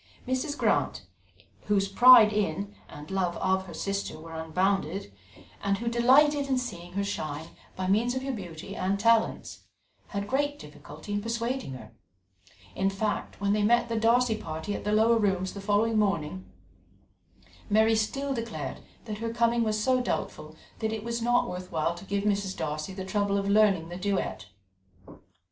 Mrs. Grant, whose pride in, and love of, her sister were unbounded, and who delighted in seeing her shine by means of her beauty and talents, had great difficulty in persuading her; in fact, when they met the Darcy party at the Lower Rooms the following morning, Mary still declared that her coming was so doubtful that it was not worth while to give Mrs. Darcy the trouble of learning the duet.